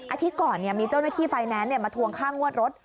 อาทิตย์ก่อนมีเจ้าหน้าที่ไฟแนนซ์มาทวงค่างวดรถ